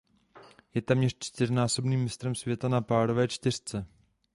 Je též čtyřnásobným mistrem světa na párové čtyřce.